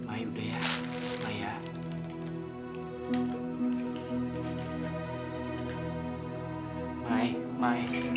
aku cinta sama dia